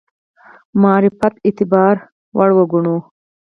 معرفت اعتبار وړ وګڼو.